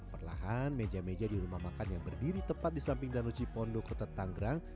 perlahan meja meja di rumah makan yang berdiri tepat di samping danau cipondo kota tanggerang